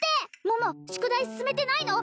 桃宿題進めてないの？